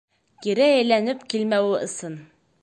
— Кире әйләнеп килмәүе ысын.